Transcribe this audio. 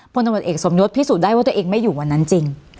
ตำรวจเอกสมยศพิสูจนได้ว่าตัวเองไม่อยู่วันนั้นจริง